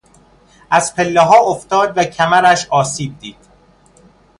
از پلهها افتاد و کمرش آسیب دید.